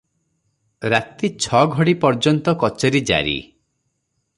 ରାତି ଛ'ଘଡ଼ି ପର୍ଯ୍ୟନ୍ତ କଚେରୀ ଜାରୀ ।